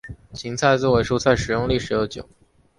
芹菜作为蔬菜食用历史悠久。